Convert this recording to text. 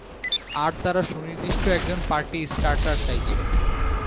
আর তারা সুনির্দিষ্ট একজন পার্টি স্টার্টার চাইছে।